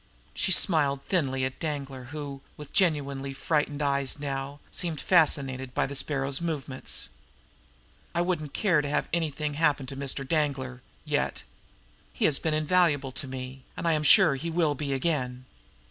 She smiled thinly at Danglar, who, with genuinely frightened eyes now, seemed fascinated by the Sparrow's movements. "I wouldn't care to have anything happen to Mr. Danglar yet. He has been invaluable to me, and I am sure he will be again."